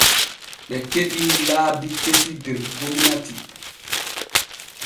Ɓe keɓii laabi kesi der gomnati.